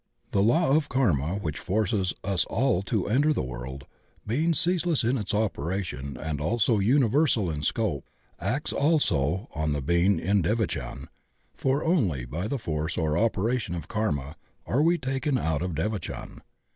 The law of karma which forces us all to enter the world, being ceaseless in its operation and also universal in scope, acts also on the being in devachan, for only by the force or operation of Karma are we taken out of de vachan.